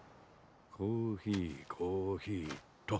コーヒーコーヒーっと。